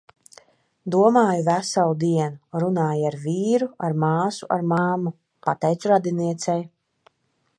Domāju veselu dienu. Runāju ar vīru, ar māsu, ar mammu. Pateicu radiniecei.